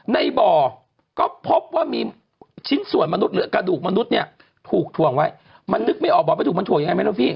ในบ่อก็พบว่ามีชิ้นส่วนมนุษย์หรือกระดูกมนุษย์เนี่ยถูกถ่วงไว้มันนึกไม่ออกบอกไม่ถูกมันถ่วงยังไงไม่รู้พี่